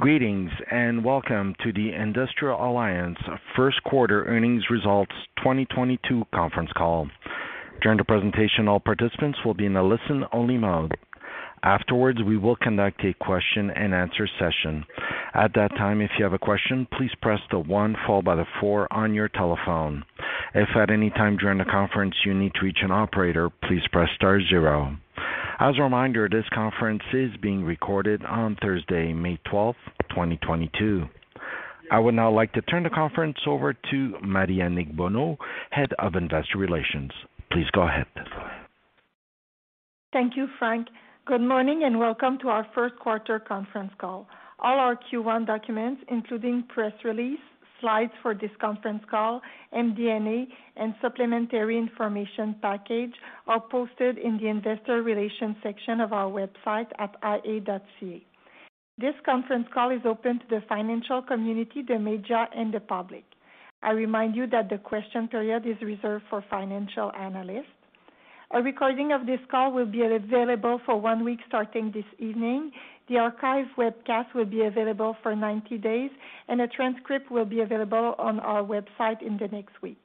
Greetings, and welcome to the Industrial Alliance First Quarter Earnings Results 2022 Conference Call. During the presentation, all participants will be in a listen-only mode. Afterwards, we will conduct a question-and-answer session. At that time, if you have a question, please press the one followed by the four on your telephone. If at any time during the conference you need to reach an operator, please press star zero. As a reminder, this conference is being recorded on Thursday, May 12th, 2022. I would now like to turn the conference over to Marie-Annick Bonneau, Head of Investor Relations. Please go ahead. Thank you, Frank. Good morning and welcome to our First Quarter Conference Call. All our Q1 documents, including press release, slides for this conference call, MD&A and supplementary information package, are posted in the Investor Relations section of our website at ia.ca. This conference call is open to the financial community, the media and the public. I remind you that the question period is reserved for financial analysts. A recording of this call will be available for one week starting this evening. The archive webcast will be available for 90 days and a transcript will be available on our website in the next week.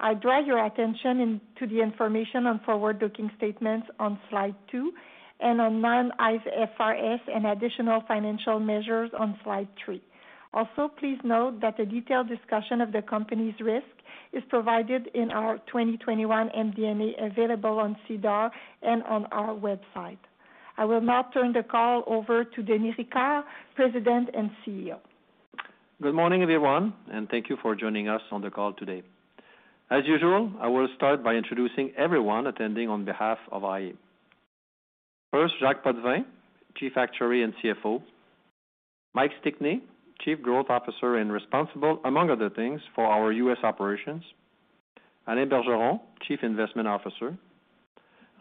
I draw your attention to the information on forward-looking statements on slide two and on non-IFRS and additional financial measures on slide three. Also, please note that a detailed discussion of the company's risk is provided in our 2021 MD&A available on SEDAR and on our website. I will now turn the call over to Denis Ricard, President and CEO. Good morning, everyone, and thank you for joining us on the call today. As usual, I will start by introducing everyone attending on behalf of iA. First, Jacques Potvin, Chief Actuary and CFO. Mike Stickney, Chief Growth Officer and responsible, among other things, for our U.S. operations. Alain Bergeron, Chief Investment Officer.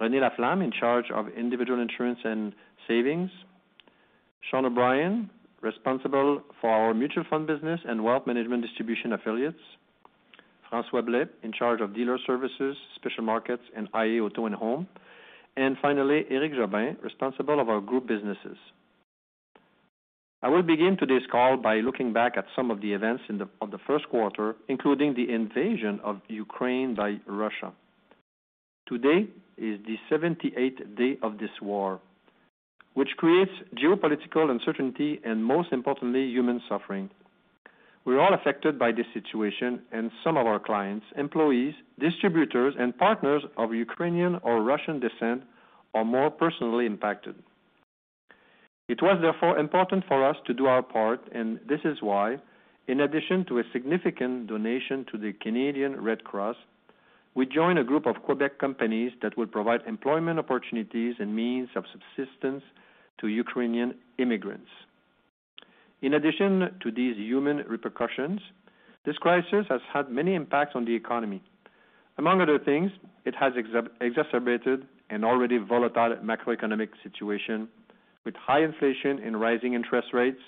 Renée Laflamme, in charge of Individual Insurance and Savings. Sean O'Brien, responsible for our Mutual Funds business and Wealth Management distribution affiliates. François Blais, in charge of Dealer Services, Special Markets and iA Auto and Home. Finally, Éric Jobin, responsible for our group businesses. I will begin today's call by looking back at some of the events in the first quarter, including the invasion of Ukraine by Russia. Today is the 78th day of this war, which creates geopolitical uncertainty and most importantly, human suffering. We are all affected by this situation, and some of our clients, employees, distributors and partners of Ukrainian or Russian descent are more personally impacted. It was therefore important for us to do our part, and this is why, in addition to a significant donation to the Canadian Red Cross, we join a group of Quebec companies that will provide employment opportunities and means of subsistence to Ukrainian immigrants. In addition to these human repercussions, this crisis has had many impacts on the economy. Among other things, it has exacerbated an already volatile macroeconomic situation with high inflation and rising interest rates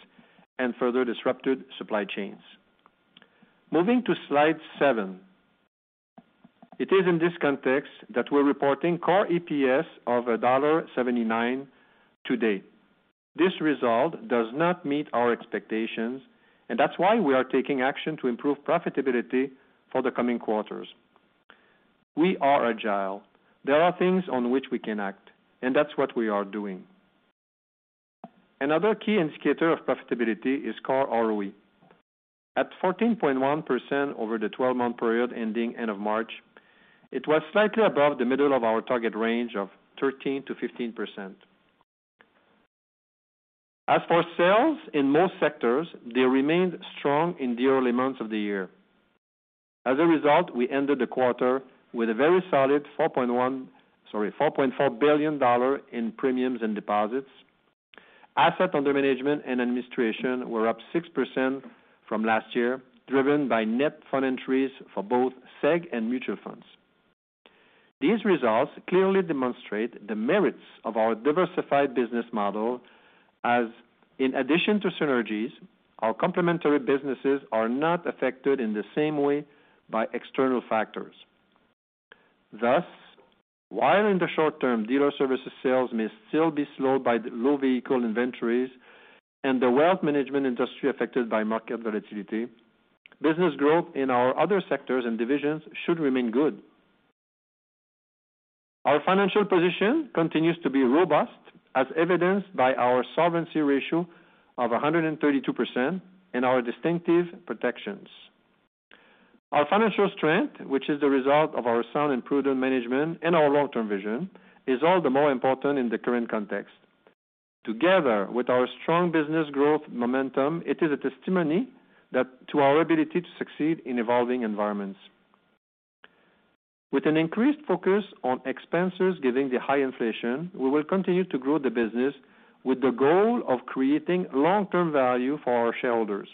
and further disrupted supply chains. Moving to slide seven. It is in this context that we're reporting core EPS of $1.79 today. This result does not meet our expectations, and that's why we are taking action to improve profitability for the coming quarters. We are agile. There are things on which we can act, and that's what we are doing. Another key indicator of profitability is core ROE. At 14.1% over the twelve-month period ending end of March, it was slightly above the middle of our target range of 13%-15%. As for sales in most sectors, they remained strong in the early months of the year. As a result, we ended the quarter with a very solid $4.4 billion in premiums and deposits. Assets under management and administration were up 6% from last year, driven by net fund entries for both seg and mutual funds. These results clearly demonstrate the merits of our diversified business model, as in addition to synergies, our complementary businesses are not affected in the same way by external factors. Thus, while in the short term, Dealer Services sales may still be slowed by low vehicle inventories and the Wealth Management industry affected by market volatility, business growth in our other sectors and divisions should remain good. Our financial position continues to be robust, as evidenced by our solvency ratio of 132% and our distinctive protections. Our financial strength, which is the result of our sound and prudent management and our long-term vision, is all the more important in the current context. Together with our strong business growth momentum, it is a testimony to our ability to succeed in evolving environments. With an increased focus on expenses given the high inflation, we will continue to grow the business with the goal of creating long-term value for our shareholders.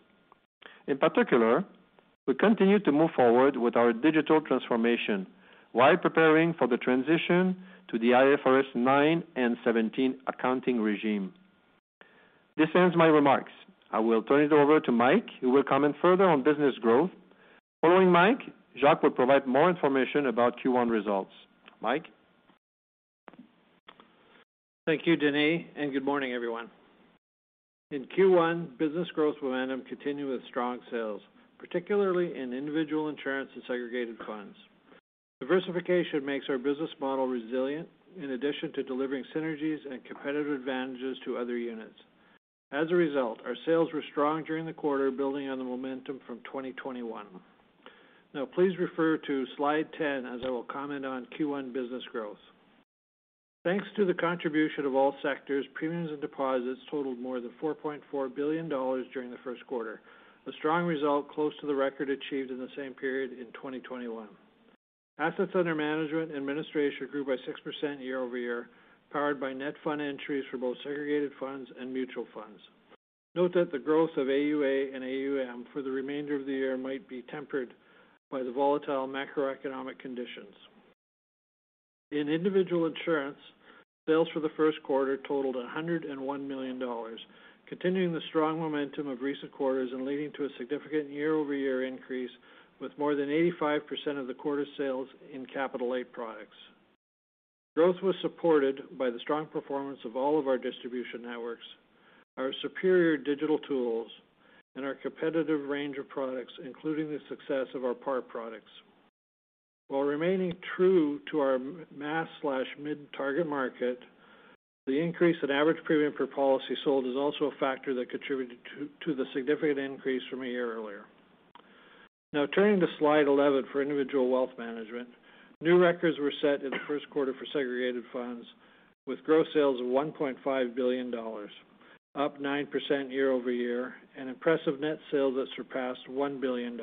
In particular, we continue to move forward with our digital transformation while preparing for the transition to the IFRS 9 and 17 accounting regime. This ends my remarks. I will turn it over to Mike, who will comment further on business growth. Following Mike, Jacques will provide more information about Q1 results. Mike? Thank you, Denis, and good morning, everyone. In Q1, business growth momentum continued with strong sales, particularly in Individual Insurance and Segregated Funds. Diversification makes our business model resilient, in addition to delivering synergies and competitive advantages to other units. As a result, our sales were strong during the quarter, building on the momentum from 2021. Now please refer to slide 10 as I will comment on Q1 business growth. Thanks to the contribution of all sectors, premiums and deposits totaled more than $4.4 billion during the first quarter, a strong result close to the record achieved in the same period in 2021. Assets under management and administration grew by 6% year-over-year, powered by net fund entries for both Segregated Funds and Mutual Funds. Note that the growth of AUA and AUM for the remainder of the year might be tempered by the volatile macroeconomic conditions. In individual insurance, sales for the first quarter totaled $101 million, continuing the strong momentum of recent quarters and leading to a significant year-over-year increase, with more than 85% of the quarter's sales in capital-light products. Growth was supported by the strong performance of all of our distribution networks, our superior digital tools, and our competitive range of products, including the success of our PAR products. While remaining true to our mass/mid target market, the increase in average premium per policy sold is also a factor that contributed to the significant increase from a year earlier. Now turning to slide 11 for individual wealth management. New records were set in the first quarter for segregated funds, with gross sales of $1.5 billion, up 9% year-over-year, an impressive net sale that surpassed $1 billion.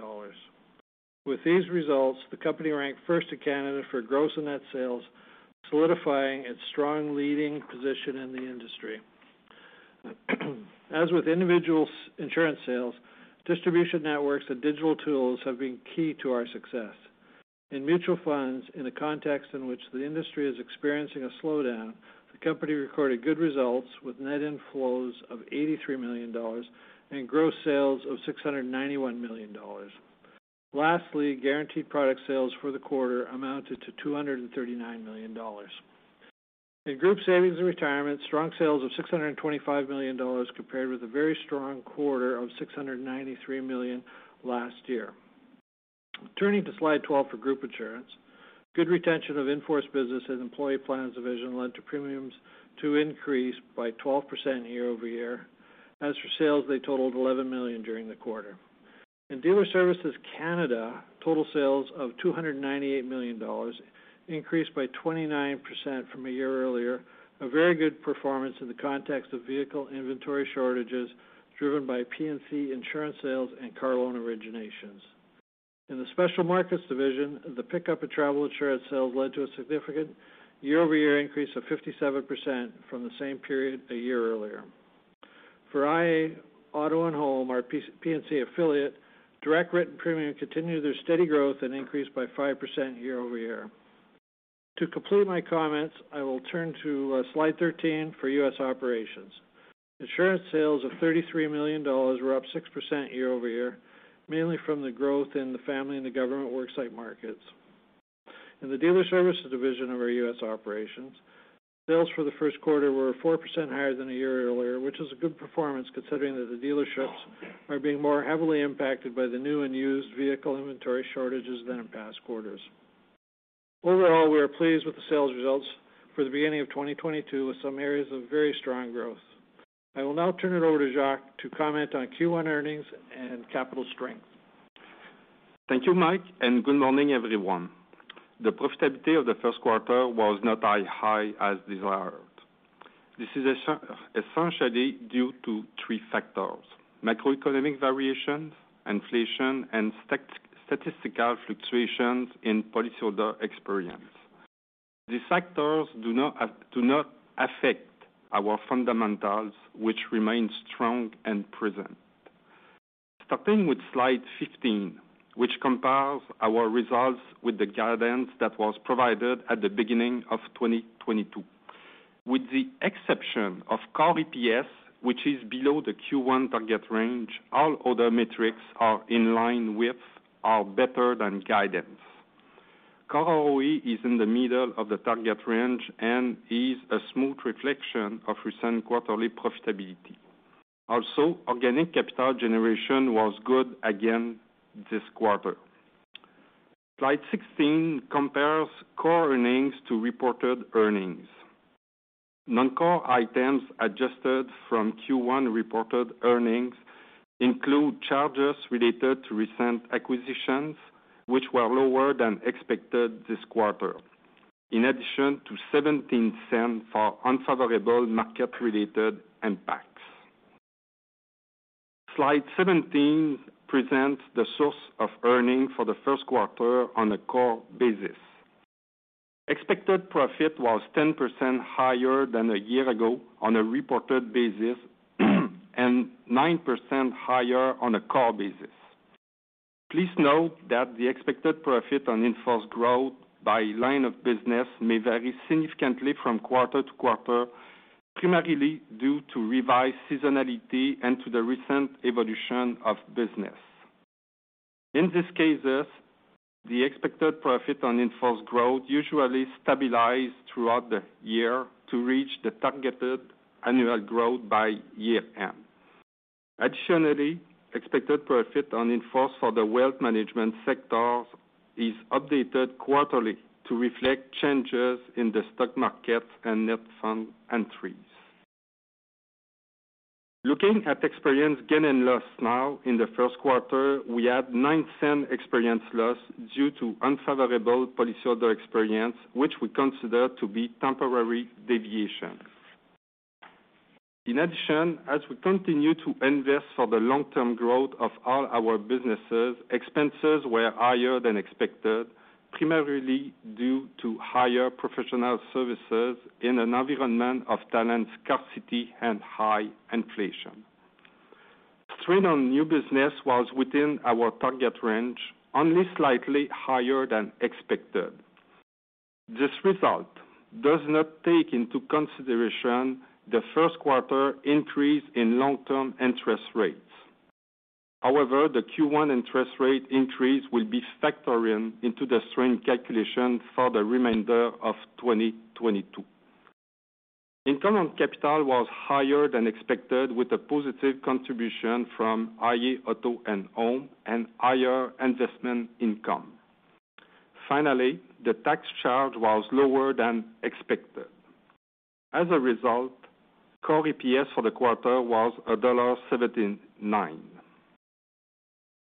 With these results, the company ranked first in Canada for gross and net sales, solidifying its strong leading position in the industry. As with individual insurance sales, distribution networks and digital tools have been key to our success. In mutual funds, in the context in which the industry is experiencing a slowdown, the company recorded good results with net inflows of $83 million and gross sales of $691 million. Lastly, guaranteed product sales for the quarter amounted to $239 million. In Group Savings and Retirement, strong sales of $625 million compared with a very strong quarter of $693 million last year. Turning to slide 12 for Group Insurance. Good retention of in-force business and employee plans division led to premiums to increase by 12% year-over-year. As for sales, they totaled $11 million during the quarter. In Dealer Services Canada, total sales of $298 million increased by 29% from a year earlier, a very good performance in the context of vehicle inventory shortages driven by P&C insurance sales and car loan originations. In the Special Markets division, the pickup in travel insurance sales led to a significant year-over-year increase of 57% from the same period a year earlier. For iA Auto and Home, our P&C affiliate, direct written premium continued their steady growth and increased by 5% year-over-year. To complete my comments, I will turn to slide 13 for U.S. operations. Insurance sales of $33 million were up 6% year-over-year, mainly from the growth in the family and the government worksite markets. In the Dealer Services division of our U.S. operations, sales for the first quarter were 4% higher than a year earlier, which is a good performance considering that the dealerships are being more heavily impacted by the new and used vehicle inventory shortages than in past quarters. Overall, we are pleased with the sales results for the beginning of 2022, with some areas of very strong growth. I will now turn it over to Jacques to comment on Q1 earnings and capital strength. Thank you, Mike, and good morning, everyone. The profitability of the first quarter was not as high as desired. This is essentially due to three factors: macroeconomic variations, inflation, and statistical fluctuations in policyholder experience. These factors do not affect our fundamentals, which remain strong and present. Starting with slide 15, which compares our results with the guidance that was provided at the beginning of 2022. With the exception of Core EPS, which is below the Q1 target range, all other metrics are in line with or better than guidance. Core ROE is in the middle of the target range and is a smooth reflection of recent quarterly profitability. Also, organic capital generation was good again this quarter. Slide 16 compares core earnings to reported earnings. Non-core items adjusted from Q1 reported earnings include charges related to recent acquisitions, which were lower than expected this quarter, in addition to $0.17 for unfavorable market-related impacts. Slide 17 presents the source of earnings for the first quarter on a core basis. Expected profit was 10% higher than a year ago on a reported basis and 9% higher on a core basis. Please note that the expected profit on in-force growth by line of business may vary significantly from quarter to quarter, primarily due to revised seasonality and to the recent evolution of business. In these cases, the expected profit on in-force growth usually stabilize throughout the year to reach the targeted annual growth by year-end. Additionally, expected profit on in-force for the wealth management sectors is updated quarterly to reflect changes in the stock market and net fund entries. Looking at experience gain and loss now, in the first quarter, we had $0.09 experience loss due to unfavorable policyholder experience, which we consider to be temporary deviation. In addition, as we continue to invest for the long-term growth of all our businesses, expenses were higher than expected, primarily due to higher professional services in an environment of talent scarcity and high inflation. Strain on new business was within our target range, only slightly higher than expected. This result does not take into consideration the first quarter increase in long-term interest rates. However, the Q1 interest rate increase will be factored in into the strain calculation for the remainder of 2022. Income on capital was higher than expected, with a positive contribution from iA Auto and Home and higher investment income. Finally, the tax charge was lower than expected. As a result, core EPS for the quarter was $1.79.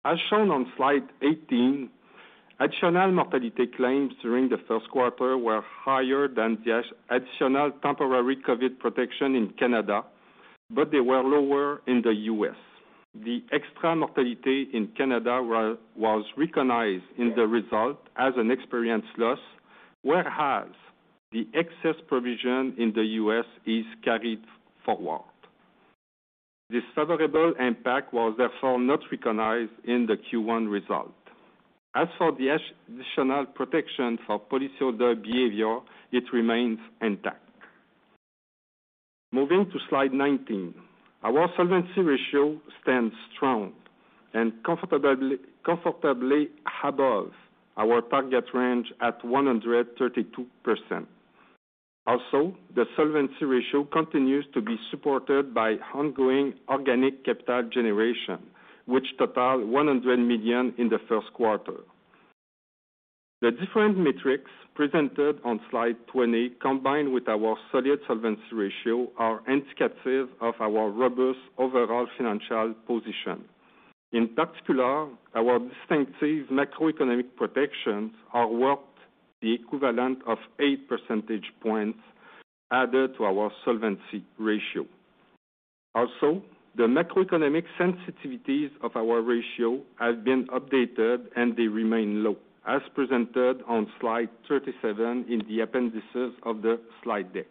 As shown on slide 18, additional mortality claims during the first quarter were higher than the additional temporary COVID protection in Canada, but they were lower in the U.S. The extra mortality in Canada was recognized in the result as an experience loss, whereas the excess provision in the U.S. is carried forward. This favorable impact was therefore not recognized in the Q1 result. As for the additional protection for policyholder behavior, it remains intact. Moving to slide 19. Our solvency ratio stands strong and comfortably above our target range at 132%. Also, the solvency ratio continues to be supported by ongoing organic capital generation, which totaled $100 million in the first quarter. The different metrics presented on slide 20, combined with our solid solvency ratio, are indicative of our robust overall financial position. In particular, our distinctive macroeconomic protections are worth the equivalent of eight percentage points added to our solvency ratio. Also, the macroeconomic sensitivities of our ratio have been updated, and they remain low, as presented on slide 37 in the appendices of the slide deck.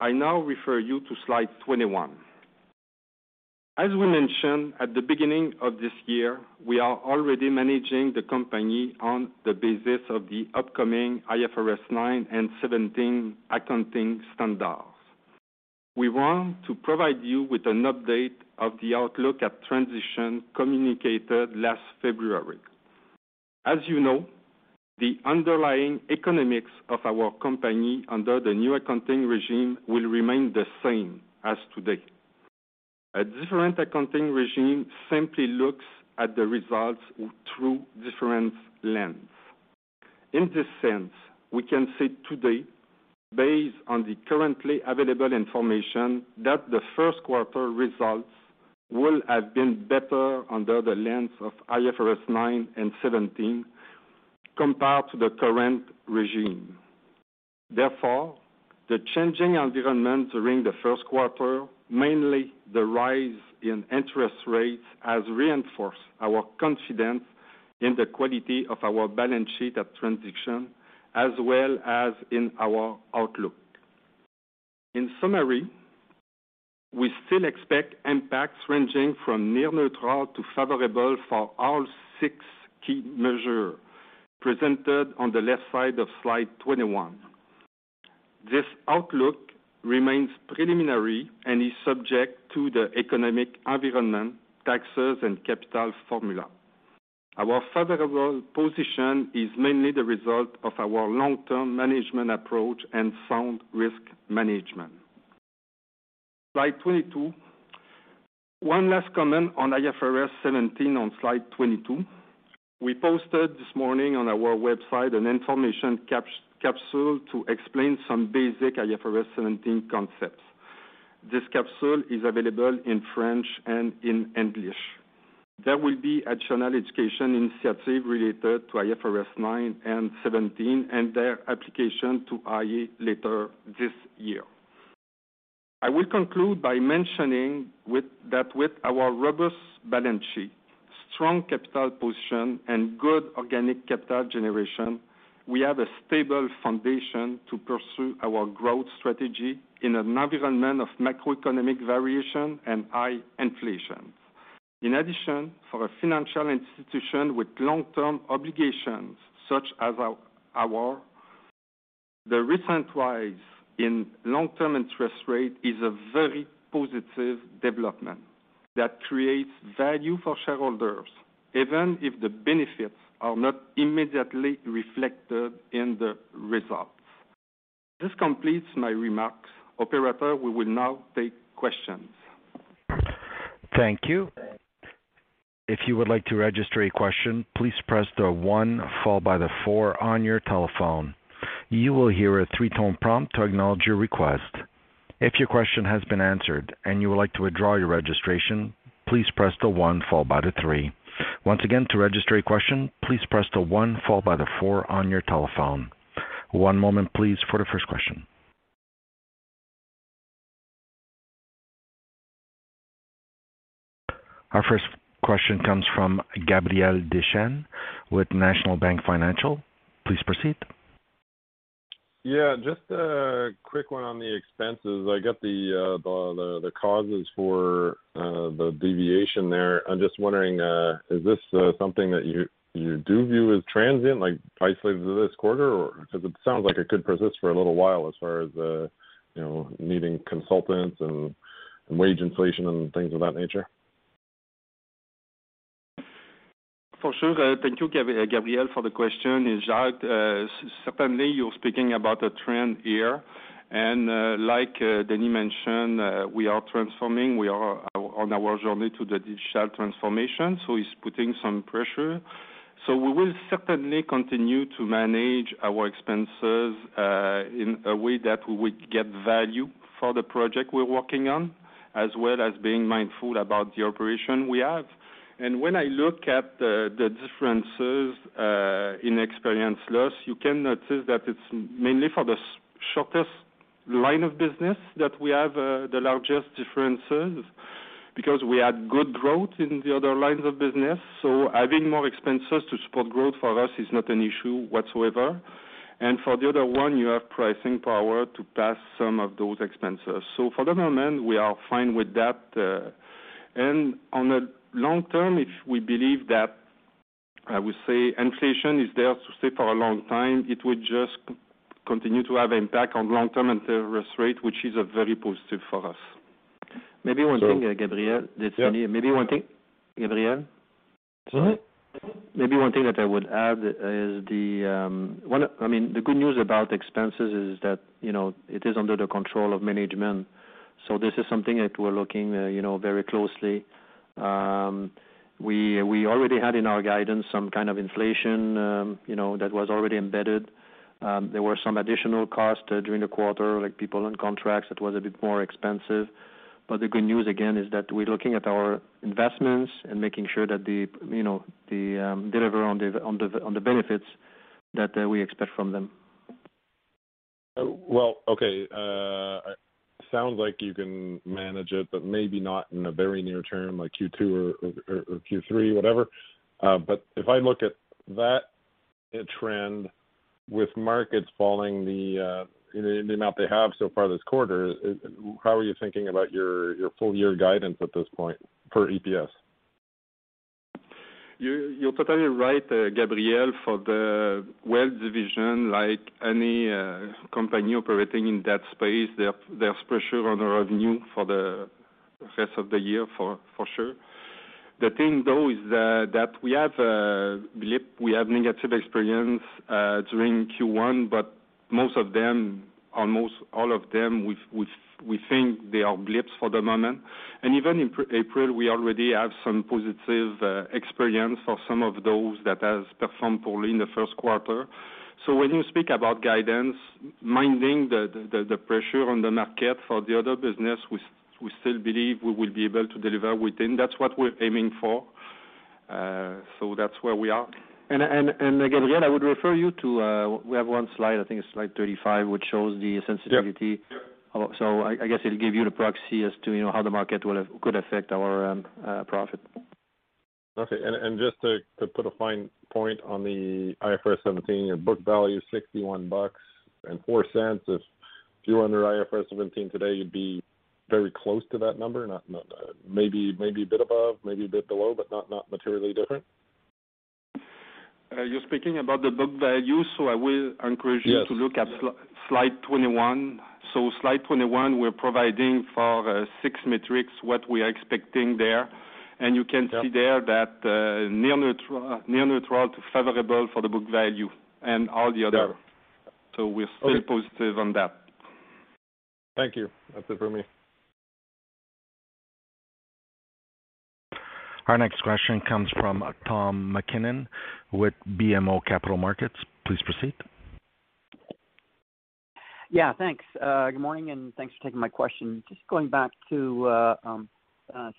I now refer you to slide 21. As we mentioned at the beginning of this year, we are already managing the company on the basis of the upcoming IFRS 9 and 17 accounting standards. We want to provide you with an update of the outlook at transition communicated last February. As you know, the underlying economics of our company under the new accounting regime will remain the same as today. A different accounting regime simply looks at the results through different lenses. In this sense, we can say today, based on the currently available information, that the first quarter results would have been better under the lens of IFRS 9 and 17 compared to the current regime. Therefore, the changing environment during the first quarter, mainly the rise in interest rates, has reinforced our confidence in the quality of our balance sheet at transition, as well as in our outlook. In summary, we still expect impacts ranging from near neutral to favorable for all six key measures presented on the left side of slide 21. This outlook remains preliminary and is subject to the economic environment, taxes, and capital formula. Our favorable position is mainly the result of our long-term management approach and sound risk management. Slide 22. One last comment on IFRS 17 on slide 22. We posted this morning on our website an information capsule to explain some basic IFRS 17 concepts. This capsule is available in French and in English. There will be additional education initiative related to IFRS 9 and 17 and their application to iA later this year. I will conclude by mentioning that with our robust balance sheet, strong capital position, and good organic capital generation, we have a stable foundation to pursue our growth strategy in an environment of macroeconomic variation and high inflation. In addition, for a financial institution with long-term obligations such as ours. The recent rise in long-term interest rate is a very positive development that creates value for shareholders, even if the benefits are not immediately reflected in the results. This completes my remarks. Operator, we will now take questions. Thank you. If you would like to register a question, please press the one followed by the four on your telephone. You will hear a three-tone prompt to acknowledge your request. If your question has been answered and you would like to withdraw your registration, please press the one followed by the three. Once again, to register a question, please press the one followed by the four on your telephone. One moment, please, for the first question. Our first question comes from Gabriel Dechaine with National Bank Financial. Please proceed. Yeah, just a quick one on the expenses. I get the causes for the deviation there. I'm just wondering, is this something that you do view as transient, like isolated to this quarter? Because it sounds like it could persist for a little while as far as, you know, needing consultants and wage inflation and things of that nature. For sure. Thank you, Gabriel, for the question. It's Jacques. Certainly, you're speaking about a trend here. Like, Denis mentioned, we are transforming. We are on our journey to the digital transformation, so it's putting some pressure. We will certainly continue to manage our expenses in a way that we would get value for the project we're working on, as well as being mindful about the operation we have. When I look at the differences in experienced loss, you can notice that it's mainly for the short tail line of business that we have, the largest differences because we had good growth in the other lines of business. Having more expenses to support growth for us is not an issue whatsoever. For the other one, you have pricing power to pass some of those expenses. For the moment, we are fine with that. On the long term, if we believe that, I would say inflation is there to stay for a long time. It would just continue to have impact on long-term interest rate, which is a very positive for us. Maybe one thing, Gabriel. Yeah. Maybe one thing, Gabriel. Sorry? Maybe one thing that I would add is, I mean, the good news about expenses is that, you know, it is under the control of management. This is something that we're looking, you know, very closely. We already had in our guidance some kind of inflation, you know, that was already embedded. There were some additional costs during the quarter, like people on contracts, it was a bit more expensive. The good news, again, is that we're looking at our investments and making sure that, you know, they deliver on the benefits that we expect from them. Well, okay. Sounds like you can manage it, but maybe not in the very near term like Q2 or Q3, whatever. If I look at that trend with markets falling the amount they have so far this quarter, how are you thinking about your full year guidance at this point for EPS? You're totally right, Gabriel. For the wealth division, like any company operating in that space, there's pressure on the revenue for the rest of the year, for sure. The thing, though, is that we have a blip, we have negative experience during Q1, but most of them, almost all of them, we think they are blips for the moment. Even in April, we already have some positive experience for some of those that has performed poorly in the first quarter. When you speak about guidance, minding the pressure on the market for the other business, we still believe we will be able to deliver within. That's what we're aiming for. That's where we are. Gabriel, I would refer you to, we have one slide, I think it's slide 35, which shows the sensitivity. Yeah. I guess it'll give you the proxy as to, you know, how the market could affect our profit. Okay. Just to put a fine point on the IFRS 17, your book value $61.04. If you were under IFRS 17 today, you'd be very close to that number. Maybe a bit above, maybe a bit below, but not materially different. You're speaking about the book value, so I will encourage you. Yes. To look at slide 21. Slide 21, we're providing for six metrics what we are expecting there. You can see there that near neutral to favorable for the book value and all the other. Got it. We're still positive on that. Thank you. That's it for me. Our next question comes from Tom MacKinnon with BMO Capital Markets. Please proceed. Yeah, thanks. Good morning, and thanks for taking my question. Just going back to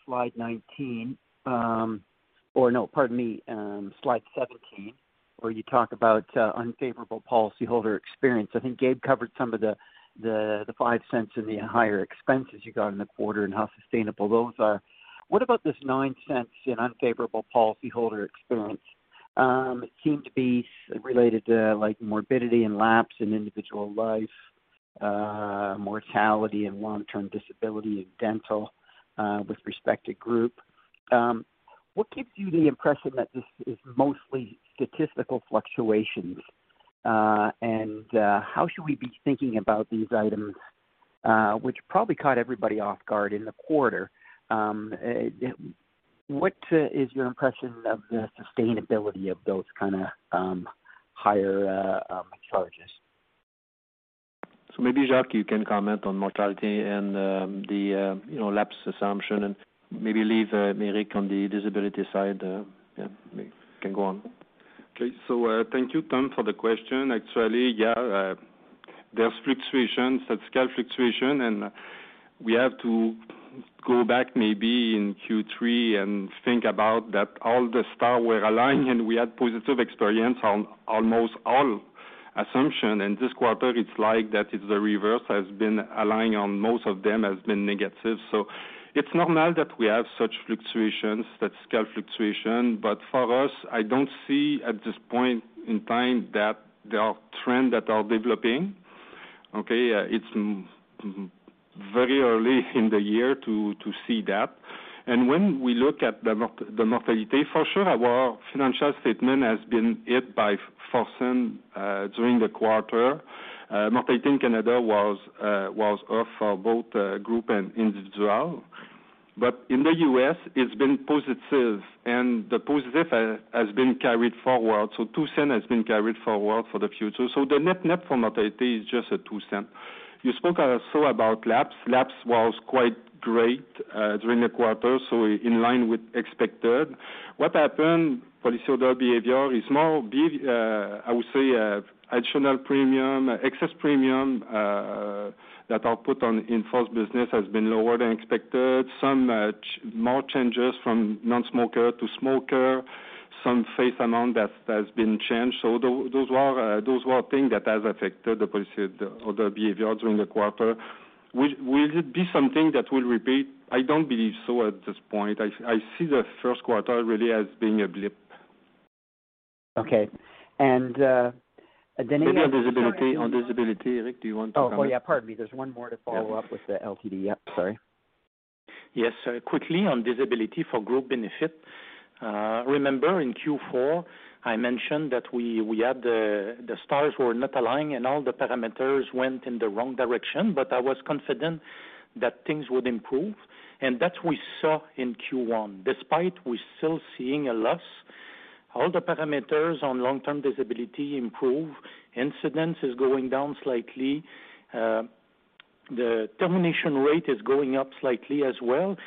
slide 19, or no, pardon me, slide 17, where you talk about unfavorable policyholder experience. I think Gabe covered some of the $0.05 and the higher expenses you got in the quarter and how sustainable those are. What about this $0.09 in unfavorable policyholder experience? It seemed to be related to like morbidity and lapse in individual life, mortality and long-term disability in dental, with respect to group. What gives you the impression that this is mostly statistical fluctuations? How should we be thinking about these items, which probably caught everybody off guard in the quarter. What is your impression of the sustainability of those kinda higher charges? Maybe, Jacques, you can comment on mortality and, you know, the lapse assumption and maybe leave Éric on the disability side. Can go on. Okay. Thank you, Tom, for the question. Actually, there are fluctuations, statistical fluctuation, and we have to go back maybe in Q3 and think about that all the stars were aligned, and we had positive experience on almost all assumption. This quarter, it's like the reverse, stars have been aligning on most of them, have been negative. It's normal that we have such fluctuations, that statistical fluctuation. For us, I don't see at this point in time that there are trends that are developing. Okay. It's very early in the year to see that. When we look at the mortality, for sure, our financial statement has been hit by unforeseen during the quarter. Mortality in Canada was off for both group and individual. In the U.S., it's been positive, and the positive has been carried forward, so $0.02 has been carried forward for the future. The net-net for mortality is just a $0.02. You spoke also about lapse. Lapse was quite great during the quarter, so in line with expected. What happened, policyholder behavior is more, I would say, additional premium, excess premium that are put on in first business has been lower than expected. Some more changes from non-smoker to smoker, some face amount that has been changed. Those were things that has affected the policy or the behavior during the quarter. Will it be something that will repeat? I don't believe so at this point. I see the first quarter really as being a blip. Okay. Denis Maybe on disability, Éric, do you want to comment? Oh, well, yeah, pardon me. There's one more to follow up with the LTD, yep. Sorry. Yes. Quickly on disability for group benefit, remember in Q4, I mentioned that we had the stars were not aligned, and all the parameters went in the wrong direction, but I was confident that things would improve. That we saw in Q1. Despite we're still seeing a loss, all the parameters on long-term disability improve. Incidence is going down slightly. The termination rate is going up slightly as well.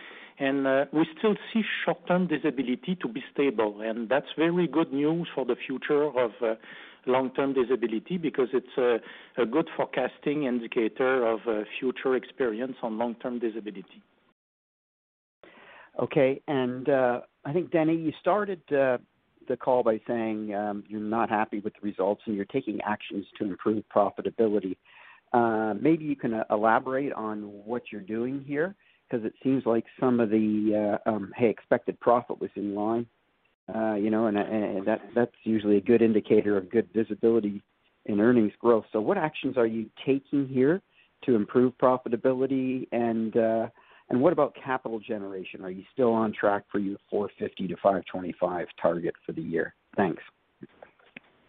We still see short-term disability to be stable, and that's very good news for the future of long-term disability because it's a good forecasting indicator of future experience on long-term disability. Okay. I think, Denis, you started the call by saying you're not happy with the results and you're taking actions to improve profitability. Maybe you can elaborate on what you're doing here, 'cause it seems like some of the expected profit was in line. You know, and that's usually a good indicator of good visibility in earnings growth. What actions are you taking here to improve profitability? And what about capital generation? Are you still on track for your $450-$525 target for the year? Thanks.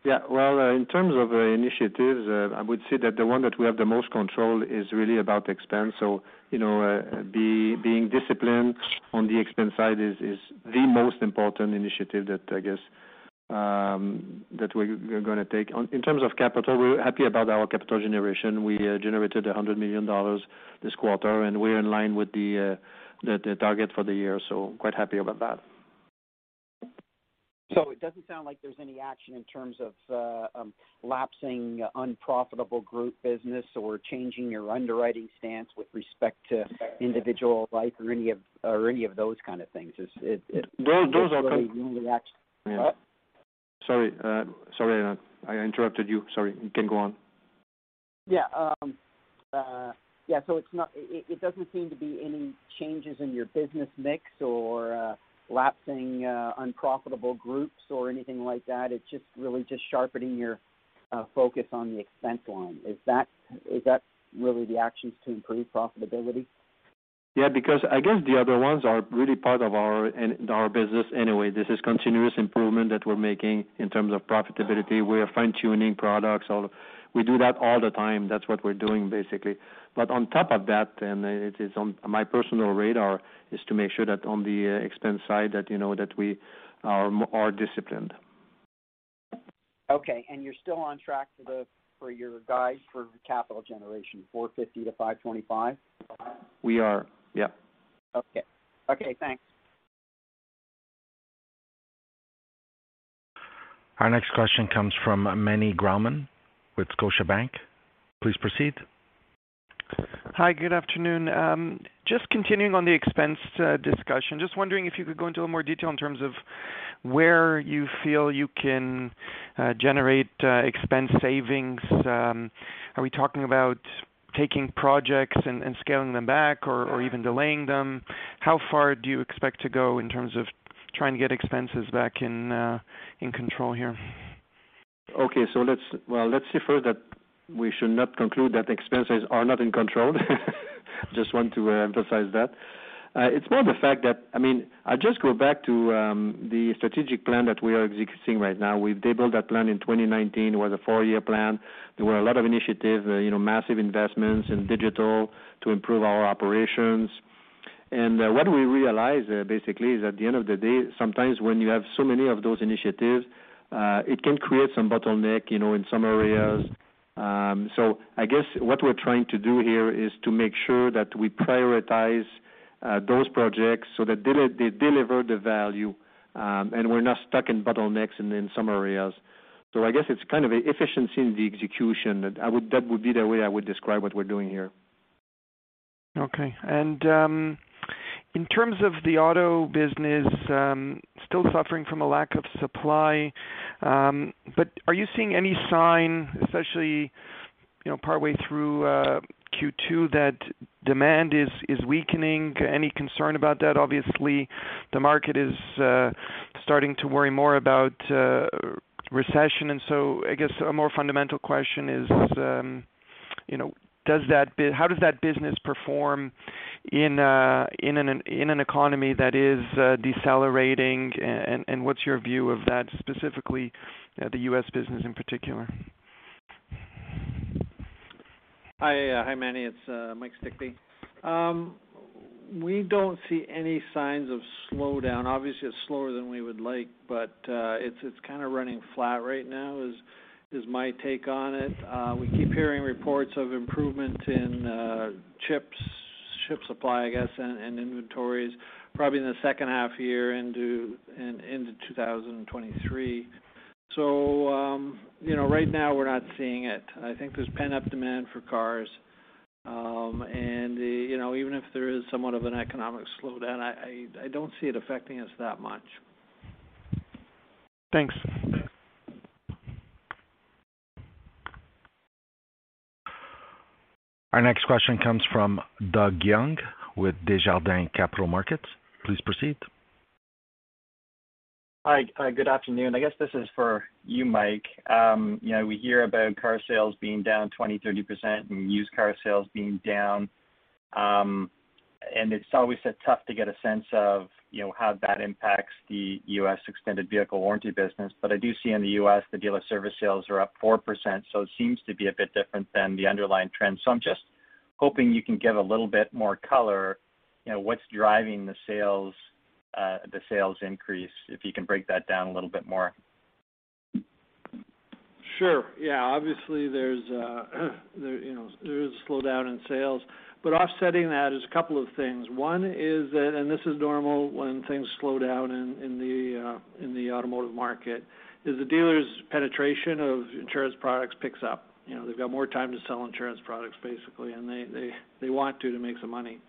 Yeah. Well, in terms of initiatives, I would say that the one that we have the most control is really about expense. You know, being disciplined on the expense side is the most important initiative that I guess that we're gonna take. In terms of capital, we're happy about our capital generation. We generated $100 million this quarter, and we're in line with the target for the year, so quite happy about that. It doesn't sound like there's any action in terms of lapsing unprofitable group business or changing your underwriting stance with respect to individual life or any of those kind of things. Is it- Those are. The only action- Sorry. Sorry, I interrupted you. Sorry. You can go on. Yeah, it doesn't seem to be any changes in your business mix or lapsing unprofitable groups or anything like that. It's just really just sharpening your focus on the expense line. Is that really the actions to improve profitability? Yeah, because I guess the other ones are really part of our, in our business anyway. This is continuous improvement that we're making in terms of profitability. We are fine-tuning products. We do that all the time. That's what we're doing, basically. On top of that, and it is on my personal radar, is to make sure that on the expense side that, you know, that we are disciplined. Okay. You're still on track for your guidance for capital generation, $450-$525? We are. Yeah. Okay. Okay, thanks. Our next question comes from Meny Grauman with Scotiabank. Please proceed. Hi, good afternoon. Just continuing on the expense discussion. Just wondering if you could go into a little more detail in terms of where you feel you can generate expense savings. Are we talking about taking projects and scaling them back or even delaying them? How far do you expect to go in terms of trying to get expenses back in control here. We should not conclude that expenses are not in control. Just want to emphasize that. It's more the fact that, I mean, I just go back to the strategic plan that we are executing right now. We've built that plan in 2019. It was a four-year plan. There were a lot of initiatives, you know, massive investments in digital to improve our operations. What we realized basically is, at the end of the day, sometimes when you have so many of those initiatives, it can create some bottleneck, you know, in some areas. I guess what we're trying to do here is to make sure that we prioritize those projects so that they deliver the value, and we're not stuck in bottlenecks in some areas. I guess it's kind of efficiency in the execution. That would be the way I would describe what we're doing here. Okay. In terms of the auto business, still suffering from a lack of supply. But are you seeing any sign, especially, you know, partway through Q2, that demand is weakening? Any concern about that? Obviously, the market is starting to worry more about recession. I guess a more fundamental question is, you know, how does that business perform in an economy that is decelerating? And what's your view of that, specifically, the U.S. business in particular? Hi, Manny. It's Mike Stickney. We don't see any signs of slowdown. Obviously, it's slower than we would like, but it's kind of running flat right now, is my take on it. We keep hearing reports of improvement in chips, chip supply, I guess, and inventories probably in the second half year into 2023. You know, right now we're not seeing it. I think there's pent-up demand for cars. You know, even if there is somewhat of an economic slowdown, I don't see it affecting us that much. Thanks. Our next question comes from Doug Young with Desjardins Capital Markets. Please proceed. Hi, hi. Good afternoon. I guess this is for you, Mike. You know, we hear about car sales being down 20%-30% and used car sales being down. It's always tough to get a sense of, you know, how that impacts the U.S. extended vehicle warranty business. I do see in the U.S., the Dealer Services sales are up 4%, so it seems to be a bit different than the underlying trend. I'm just hoping you can give a little bit more color, you know, what's driving the sales, the sales increase, if you can break that down a little bit more. Sure. Yeah. Obviously, there's a you know, there's a slowdown in sales. Offsetting that is a couple of things. One is that, and this is normal when things slow down in the automotive market, is the dealers' penetration of insurance products picks up. You know, they've got more time to sell insurance products, basically, and they want to make some money.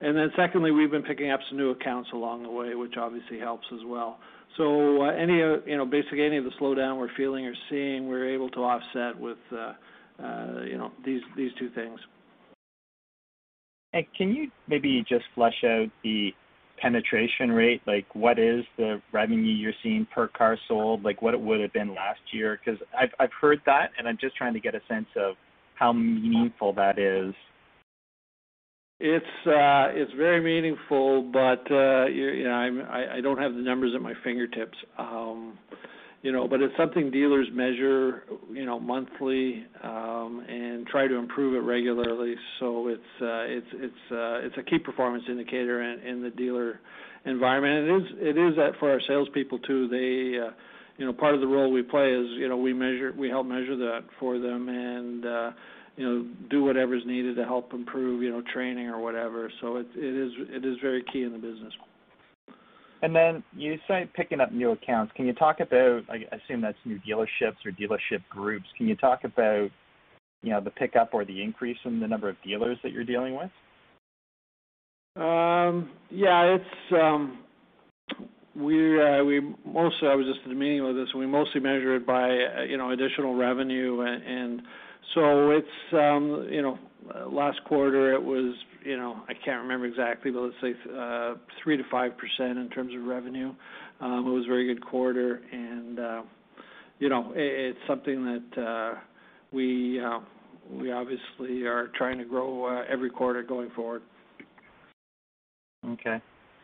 Then secondly, we've been picking up some new accounts along the way, which obviously helps as well. You know, basically any of the slowdown we're feeling or seeing, we're able to offset with you know, these two things. Can you maybe just flesh out the penetration rate? Like, what is the revenue you're seeing per car sold, like what it would have been last year? 'Cause I've heard that, and I'm just trying to get a sense of how meaningful that is. It's very meaningful, but you know, I don't have the numbers at my fingertips. You know, but it's something dealers measure, you know, monthly, and try to improve it regularly. It's a key performance indicator in the dealer environment. It is that for our salespeople too. They, you know, part of the role we play is, you know, we measure, we help measure that for them and, you know, do whatever is needed to help improve, you know, training or whatever. It is very key in the business. You say picking up new accounts. Can you talk about, I assume that's new dealerships or dealership groups. Can you talk about, you know, the pickup or the increase in the number of dealers that you're dealing with? Yeah. We mostly measure it by, you know, additional revenue. It's, you know, last quarter it was, you know, I can't remember exactly, but let's say, 3%-5% in terms of revenue. It was a very good quarter and, you know, it's something that we obviously are trying to grow every quarter going forward. Okay.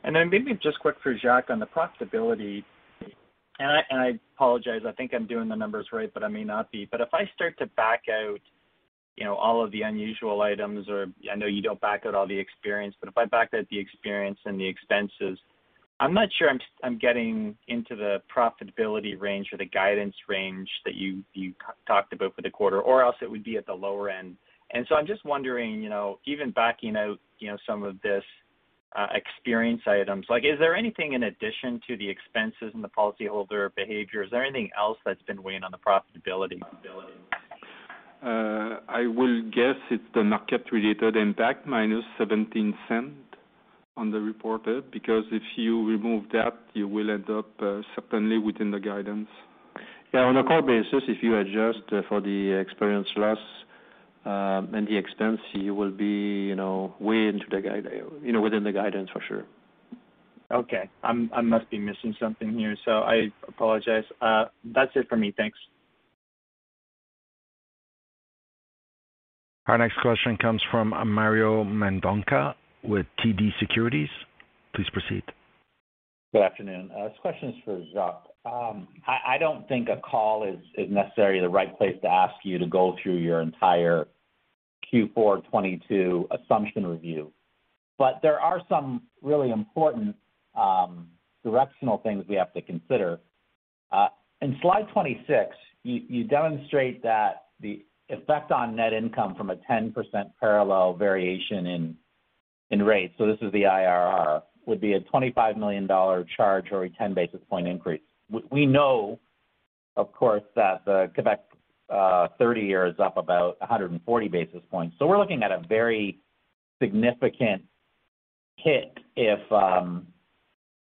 Then maybe just quick for Jacques on the profitability, and I apologize, I think I'm doing the numbers right, but I may not be. If I start to back out, you know, all of the unusual items or I know you don't back out all the experience, but if I back out the experience and the expenses, I'm not sure I'm getting into the profitability range or the guidance range that you talked about for the quarter, or else it would be at the lower end. I'm just wondering, you know, even backing out, you know, some of this, experience items, like, is there anything in addition to the expenses and the policyholder behavior? Is there anything else that's been weighing on the profitability? I will guess it's the market-related impact, -$0.17 on the reported, because if you remove that, you will end up certainly within the guidance. Yeah, on a core basis, if you adjust for the experience loss and the expense, you will be, you know, way into the guide, you know, within the guidance for sure. Okay. I must be missing something here, so I apologize. That's it for me. Thanks. Our next question comes from Mario Mendonca with TD Securities. Please proceed. Good afternoon. This question is for Jacques. I don't think a call is necessarily the right place to ask you to go through your entire Q4 2022 assumption review. There are some really important directional things we have to consider. In slide 26, you demonstrate that the effect on net income from a 10% parallel variation in rates, so this is the IRR, would be a $25 million charge or a 10-basis-point increase. We know, of course, that the Quebec 30-year is up about 140 basis points. We're looking at a very significant hit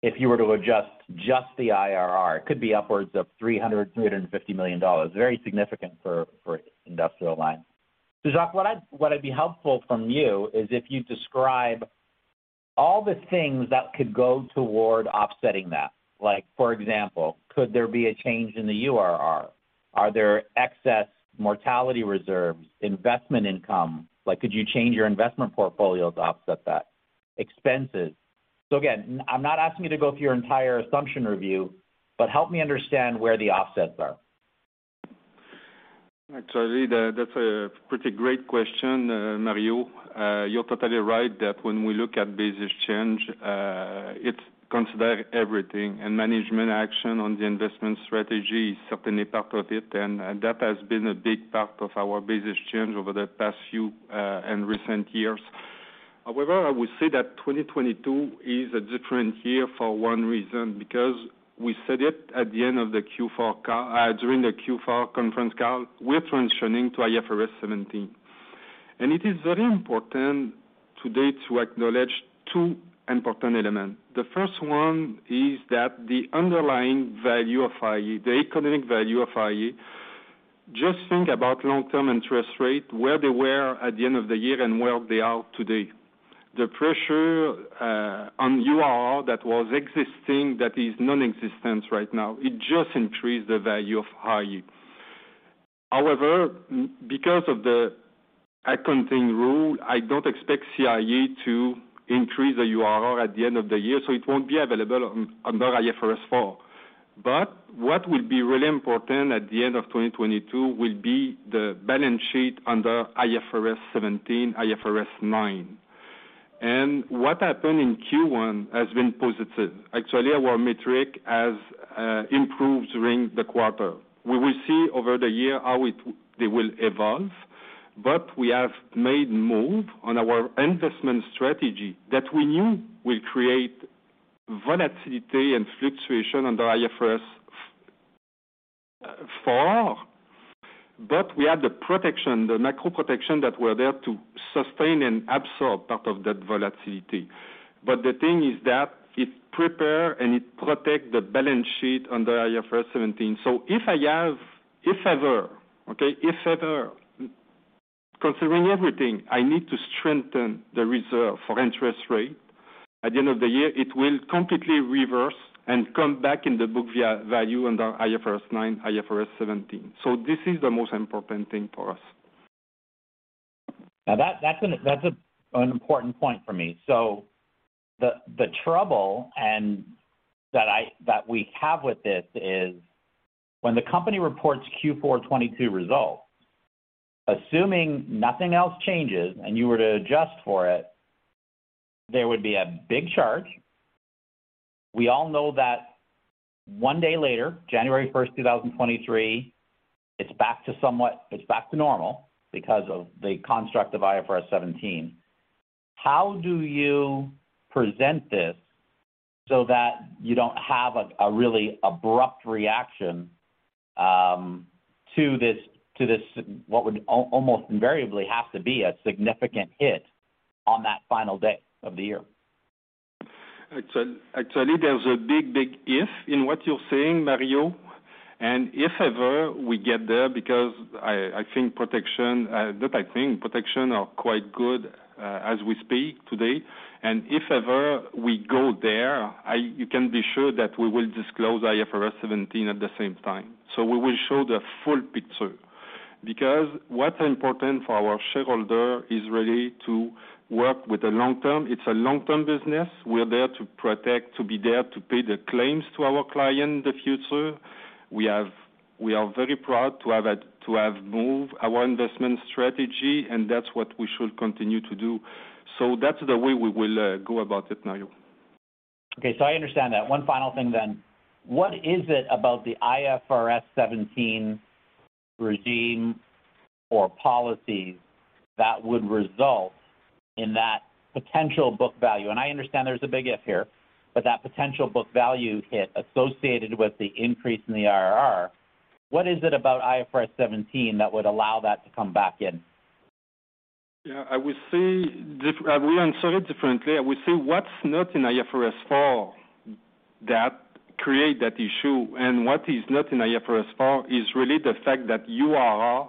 if you were to adjust just the IRR. It could be upwards of $300 million-$350 million. Very significant for Industrial Alliance. Jacques, what would be helpful from you is if you describe all the things that could go toward offsetting that. Like for example, could there be a change in the URR? Are there excess mortality reserves, investment income? Like, could you change your investment portfolio to offset that? Expenses. So again, I'm not asking you to go through your entire assumption review, but help me understand where the offsets are. Actually, that's a pretty great question, Mario. You're totally right that when we look at business change, it considers everything, and management action on the investment strategy is certainly part of it. That has been a big part of our business change over the past few and recent years. However, I would say that 2022 is a different year for one reason, because we said it at the end of the Q4, during the Q4 conference call, we're transitioning to IFRS 17. It is very important today to acknowledge two important elements. The first one is that the underlying value of iA, the economic value of iA, just think about long-term interest rate, where they were at the end of the year and where they are today. The pressure on URR that was existing that is non-existent right now, it just increased the value of iA. However, because of the accounting rule, I don't expect CIA to increase the URR at the end of the year, so it won't be available on, under IFRS 4. What will be really important at the end of 2022 will be the balance sheet under IFRS 17, IFRS 9. What happened in Q1 has been positive. Actually, our metric has improved during the quarter. We will see over the year how it, they will evolve, but we have made move on our investment strategy that we knew will create volatility and fluctuation under IFRS 4, but we had the protection, the macro protection that were there to sustain and absorb part of that volatility. The thing is that it prepare and it protect the balance sheet under IFRS 17. If ever, considering everything, I need to strengthen the reserve for interest rate. At the end of the year, it will completely reverse and come back in the book via value under IFRS 9, IFRS 17. This is the most important thing for us. Now that's an important point for me. The trouble that we have with this is when the company reports Q4 2022 results, assuming nothing else changes and you were to adjust for it, there would be a big charge. We all know that one day later, January 1st, 2023, it's back to somewhat normal because of the construct of IFRS 17. How do you present this so that you don't have a really abrupt reaction to this what would almost invariably have to be a significant hit on that final day of the year? Actually, there's a big if in what you're saying, Mario. If ever we get there, because I think protection are quite good as we speak today. If ever we go there, you can be sure that we will disclose IFRS 17 at the same time. We will show the full picture. What's important for our shareholder is really to work with the long term. It's a long-term business. We're there to protect, to be there to pay the claims to our client in the future. We are very proud to have moved our investment strategy, and that's what we should continue to do. That's the way we will go about it now. Okay, I understand that. One final thing. What is it about the IFRS 17 regime or policies that would result in that potential book value? I understand there's a big if here, but that potential book value hit associated with the increase in the IRR, what is it about IFRS 17 that would allow that to come back in? I will answer it differently. I would say what's not in IFRS 4 that create that issue and what is not in IFRS 4 is really the fact that URR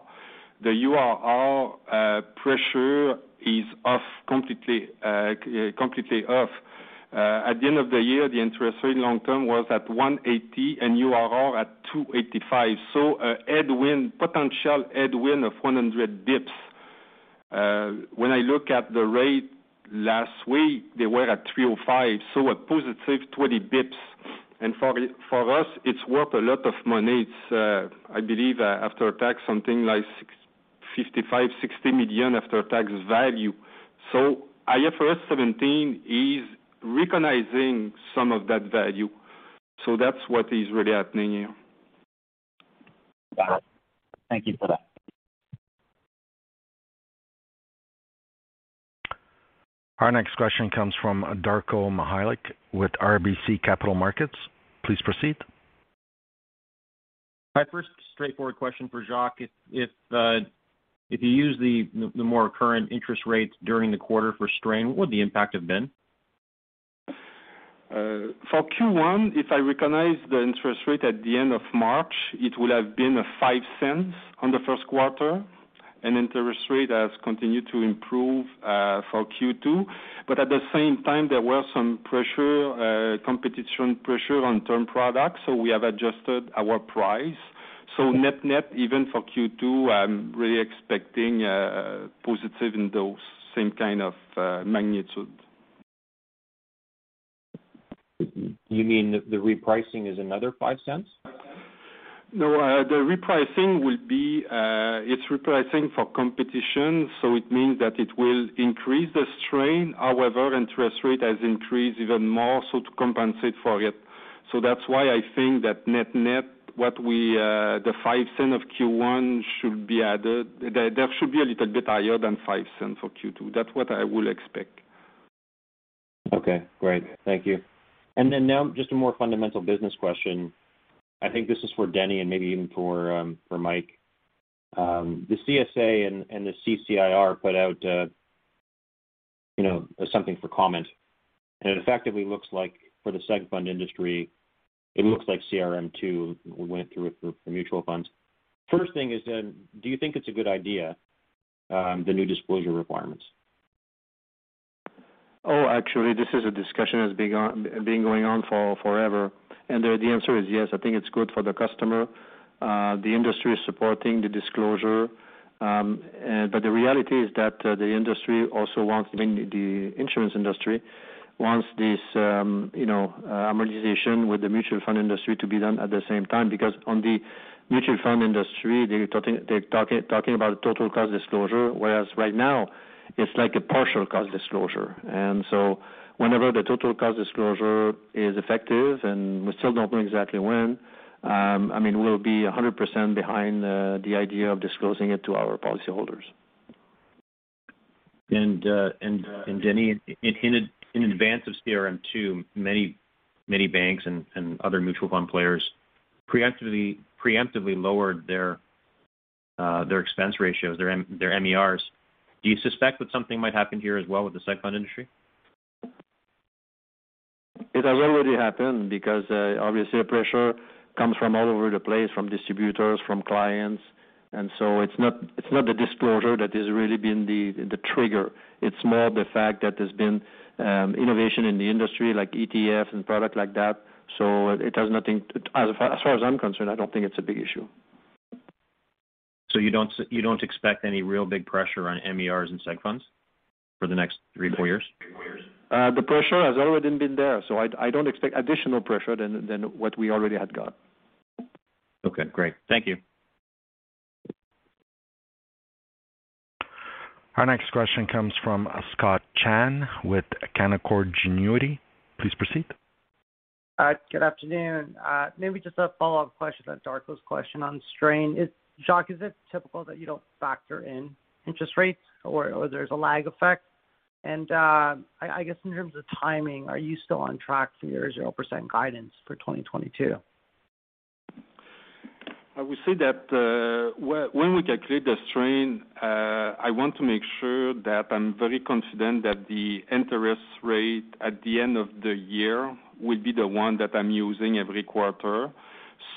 pressure is off completely off. At the end of the year, the interest rate long term was at 180 and URR at 285. A headwind, potential headwind of 100 basis points. When I look at the rate last week, they were at 305, a positive 20 basis points. For us, it's worth a lot of money. I believe after tax, something like $655 million-$660 million after tax value. IFRS 17 is recognizing some of that value. That's what is really happening here. Got it. Thank you for that. Our next question comes from Darko Mihelic with RBC Capital Markets. Please proceed. My first straightforward question for Jacques is if you use the more current interest rates during the quarter for strain, what would the impact have been? For Q1, if I recognize the interest rate at the end of March, it would have been $0.05 for the first quarter, and interest rate has continued to improve for Q2. At the same time, there were some pressure, competitive pressure on term products, so we have adjusted our price. Net-net, even for Q2, I'm really expecting positive in those same kind of magnitude. You mean the repricing is another $0.05? No, the repricing will be, it's repricing for competition, so it means that it will increase the strain. However, interest rate has increased even more so to compensate for it. That's why I think that net-net what we, the $0.05 of Q1 should be added. There should be a little bit higher than $0.05 for Q2. That's what I will expect. Okay, great. Thank you. Now just a more fundamental business question. I think this is for Denis and maybe even for Mike. The CSA and the CCIR put out, you know, something for comment, and it effectively looks like for the seg fund industry, CRM2 went through for mutual funds. First thing is, do you think it's a good idea, the new disclosure requirements? Actually, this is a discussion that's been going on for forever. The answer is yes, I think it's good for the customer. The industry is supporting the disclosure. The reality is that the insurance industry also wants this, you know, harmonization with the mutual fund industry to be done at the same time. Because on the mutual fund industry, they're talking about total cost disclosure, whereas right now it's like a partial cost disclosure. Whenever the total cost disclosure is effective, and we still don't know exactly when, I mean, we'll be 100% behind the idea of disclosing it to our policy holders. Denis, in advance of CRM2 many banks and other mutual fund players preemptively lowered their expense ratios, their MERs. Do you suspect that something might happen here as well with the seg fund industry? It has already happened because obviously the pressure comes from all over the place, from distributors, from clients. It's not the disclosure that has really been the trigger. It's more the fact that there's been innovation in the industry like ETFs and products like that. As far as I'm concerned, I don't think it's a big issue. You don't expect any real big pressure on MERs and seg funds for the next three to four years? The pressure has already been there, so I don't expect additional pressure than what we already had got. Okay, great. Thank you. Our next question comes from Scott Chan with Canaccord Genuity. Please proceed. Good afternoon. Maybe just a follow-up question on Darko's question on strain. Is, Jacques, is it typical that you don't factor in interest rates or there's a lag effect? I guess in terms of timing, are you still on track for your 0% guidance for 2022? I would say that, when we calculate the strain, I want to make sure that I'm very confident that the interest rate at the end of the year will be the one that I'm using every quarter.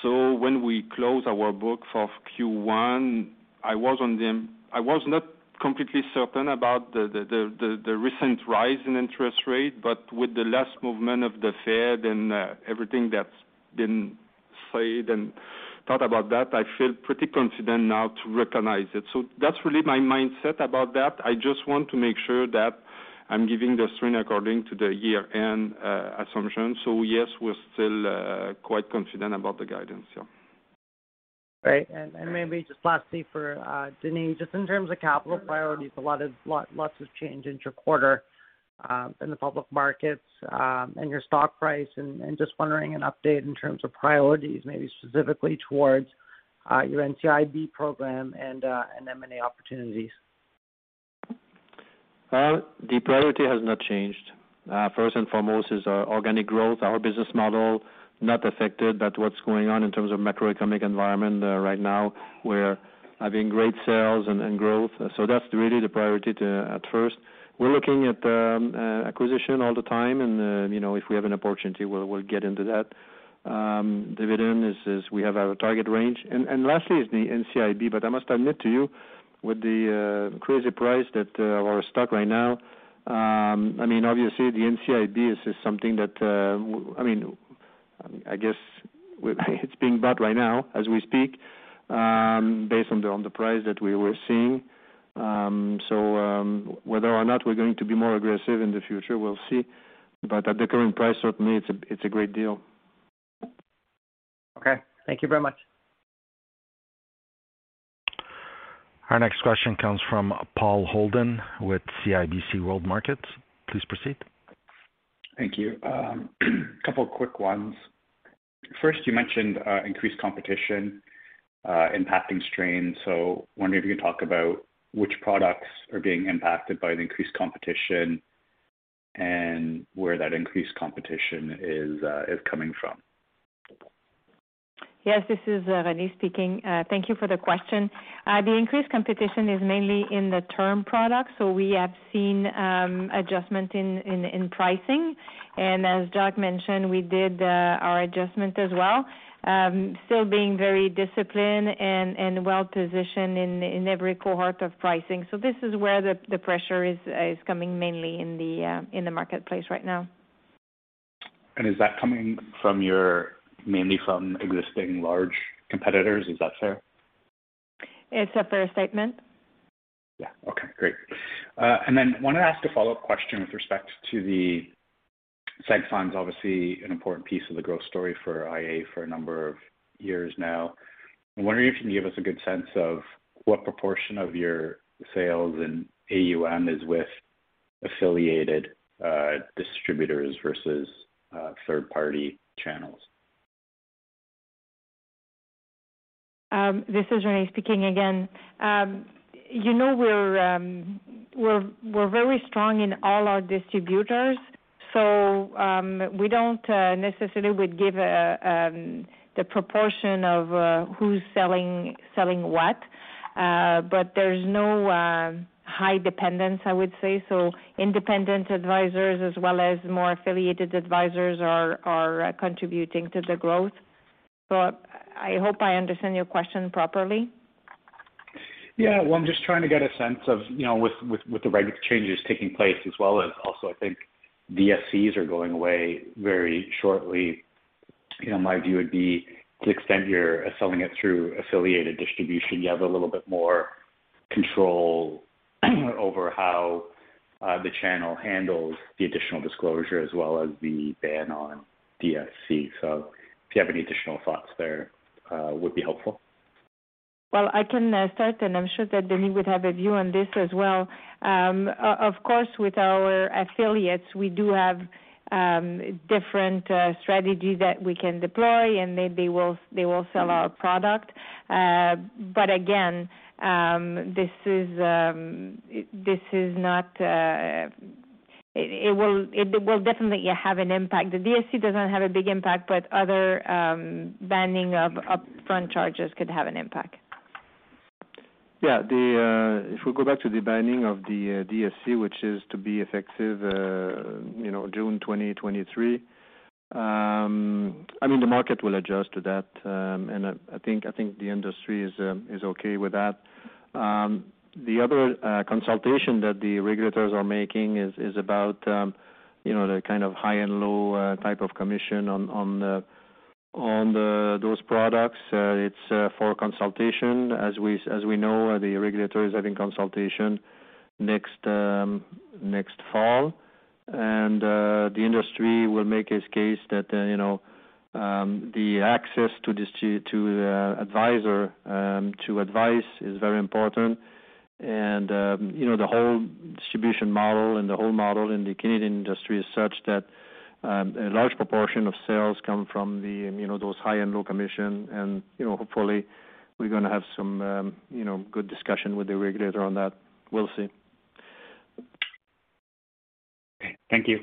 When we close our books of Q1, I was on them. I was not completely certain about the recent rise in interest rate, but with the last movement of the Fed and, everything that's been said and thought about that, I feel pretty confident now to recognize it. That's really my mindset about that. I just want to make sure that I'm giving the strain according to the year-end assumption. Yes, we're still, quite confident about the guidance. Yeah. Great. Maybe just lastly for Denis Ricard, just in terms of capital priorities, a lot has changed interquarter in the public markets, and your stock price and just wondering an update in terms of priorities, maybe specifically towards your NCIB program and M&A opportunities. Well, the priority has not changed. First and foremost is our organic growth. Our business model not affected, but what's going on in terms of macroeconomic environment right now, we're having great sales and growth. That's really the priority too at first. We're looking at acquisition all the time and, you know, if we have an opportunity we'll get into that. Dividend is we have our target range. Lastly is the NCIB. I must admit to you with the crazy price that our stock right now, I mean obviously the NCIB is just something that, I mean, I guess it's being bought right now as we speak, based on the price that we were seeing. whether or not we're going to be more aggressive in the future, we'll see. At the current price certainly it's a great deal. Okay. Thank you very much. Our next question comes from Paul Holden with CIBC World Markets. Please proceed. Thank you. Couple quick ones. First, you mentioned increased competition impacting strain. Wondering if you could talk about which products are being impacted by the increased competition and where that increased competition is coming from? Yes, this is Renée speaking. Thank you for the question. The increased competition is mainly in the term products. We have seen adjustment in pricing. As Jacques mentioned, we did our adjustment as well. Still being very disciplined and well-positioned in every cohort of pricing. This is where the pressure is coming mainly in the marketplace right now. Is that coming mainly from existing large competitors? Is that fair? It's a fair statement. Yeah. Okay, great. I want to ask a follow-up question with respect to the seg funds, obviously an important piece of the growth story for iA for a number of years now. I'm wondering if you can give us a good sense of what proportion of your sales in AUM is with affiliated distributors versus third party channels. This is Renée speaking again. You know, we're very strong in all our distributors, so we don't necessarily would give the proportion of who's selling what. There's no high dependence, I would say. Independent advisors as well as more affiliated advisors are contributing to the growth. I hope I understand your question properly. Yeah. Well, I'm just trying to get a sense of, you know, with the regulatory changes taking place as well as also I think DSCs are going away very shortly. You know, my view would be to the extent you're selling it through affiliated distribution, you have a little bit more control over how the channel handles the additional disclosure as well as the ban on DSC. If you have any additional thoughts there, would be helpful. Well, I can start, and I'm sure that Denis would have a view on this as well. Of course, with our affiliates, we do have different strategies that we can deploy and they will sell our product. Again, it will definitely have an impact. The DSC doesn't have a big impact, but the banning of upfront charges could have an impact. Yeah. If we go back to the banning of the DSC, which is to be effective, you know, June 2023, I mean, the market will adjust to that. I think the industry is okay with that. The other consultation that the regulators are making is about, you know, the kind of high and low type of commission on those products. It's for consultation. As we know, the regulators are having consultation next fall. The industry will make its case that, you know, the access to advice is very important. You know, the whole distribution model and the whole model in the Canadian industry is such that a large proportion of sales come from the you know, those high-end low commission. You know, hopefully we're gonna have some you know, good discussion with the regulator on that. We'll see. Okay. Thank you.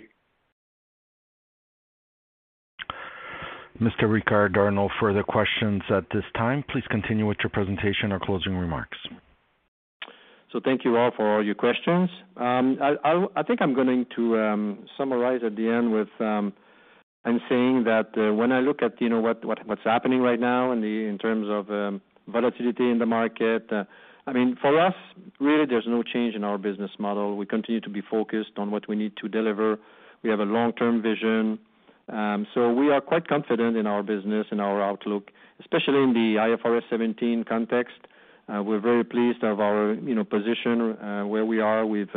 Mr. Ricard, there are no further questions at this time. Please continue with your presentation or closing remarks. Thank you all for all your questions. I think I'm going to summarize at the end, saying that when I look at, you know, what's happening right now in terms of volatility in the market, I mean, for us, really there's no change in our business model. We continue to be focused on what we need to deliver. We have a long-term vision. We are quite confident in our business and our outlook, especially in the IFRS 17 context. We're very pleased of our, you know, position where we are. We've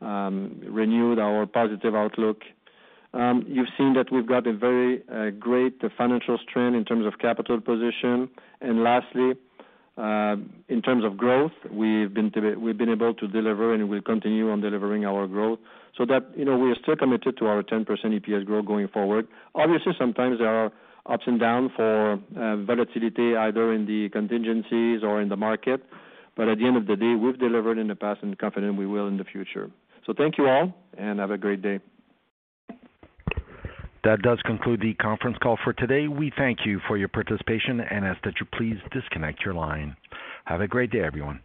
renewed our positive outlook. You've seen that we've got a very great financial strength in terms of capital position. Lastly, in terms of growth, we've been able to deliver and we'll continue on delivering our growth so that, you know, we are still committed to our 10% EPS growth going forward. Obviously, sometimes there are ups and downs for volatility either in the contingencies or in the market, but at the end of the day, we've delivered in the past and we're confident we will in the future. Thank you all and have a great day. That does conclude the conference call for today. We thank you for your participation and ask that you please disconnect your line. Have a great day, everyone.